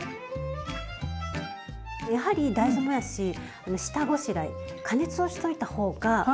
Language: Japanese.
やはり大豆もやし下ごしらえ加熱をしといた方がおいしいんですね。